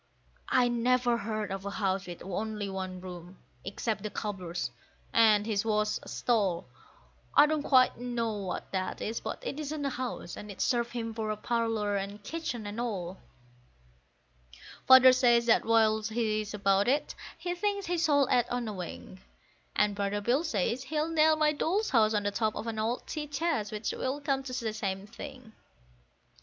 I never heard of a house with only one room, except the cobbler's, and his was a stall. I don't quite know what that is; but it isn't a house, and it served him for parlour and kitchen and all. Father says that whilst he is about it, he thinks he shall add on a wing; And brother Bill says he'll nail my Doll's House on the top of an old tea chest, which will come to the same thing.